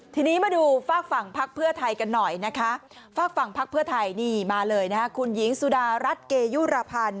ทีนี้มาดูฝากฝั่งพักเพื่อไทยกันหน่อยนะคะฝากฝั่งพักเพื่อไทยนี่มาเลยนะคะคุณหญิงสุดารัฐเกยุรพันธ์